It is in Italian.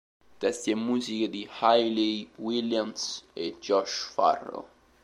Testi e musiche di Hayley Williams e Josh Farro.